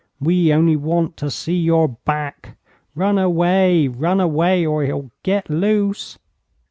We only want to see your back. Run away, run away, or he'll get loose!'